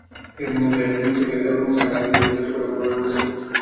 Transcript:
Baird HP, Sun মাইক্রোসিস্টেমের জ্যেষ্ঠ পণ্য এবং বিপণন প্রধান হিসেবে কাজ করেছেন।